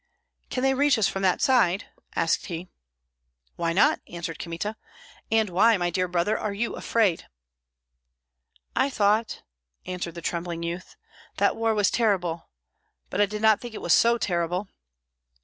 "Can they reach us from that side?" asked he. "Why not?" answered Kmita. "And why, my dear brother, are you afraid?" "I thought," answered the trembling youth, "that war was terrible; but I did not think it was so terrible."